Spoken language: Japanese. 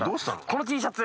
このＴシャツ。